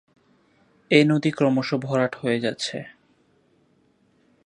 এ নদী ক্রমশ ভরাট হয়ে যাচ্ছে।